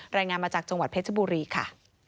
รายงานมาจากจังหวัดเพชรบุรีค่ะ